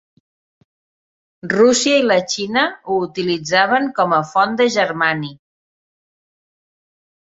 Rússia i la Xina ho utilitzaven com a font de germani.